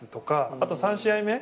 あと３試合目。